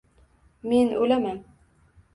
men o’laman…